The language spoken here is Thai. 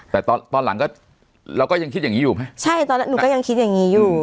แต่ตอนตอนหลังก็เราก็ยังคิดอย่างงี้อยู่ไหมใช่ตอนนั้นหนูก็ยังคิดอย่างงี้อยู่